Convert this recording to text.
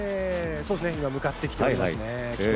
向かってきておりますね。